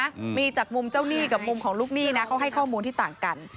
เกี่ยวกับหนี้กับมุมของลูกหนี้นะเขาให้ข้อมูลที่ต่างกัน